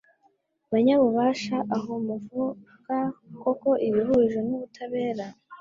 Banyabubasha aho muvuga koko ibihuje n’ubutabera?